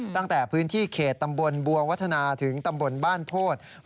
ตั้งแต่พื้นที่เขตตำบลบัววัฒนาถึงตำบลบ้านโพธิ